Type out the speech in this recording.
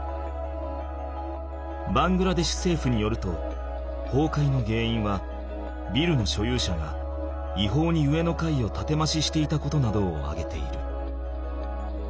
バングラデシュせいふによるとほうかいのげんいんはビルの所有者がいほうに上の階をたてまししていたことなどをあげている。